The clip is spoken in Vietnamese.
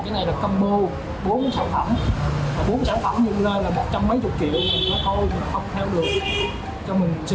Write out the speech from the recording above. cái này em không hướng dẫn được